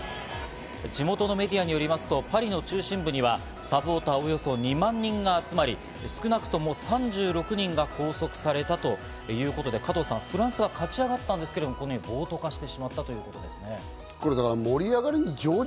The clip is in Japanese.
地元のメディアによりますと、パリ中心部にはサポーターおよそ２万人が集まり、少なくとも３６人が拘束されたということで加藤さん、フランスは勝ち上がったんですが、このように暴徒化してしまったということなんです。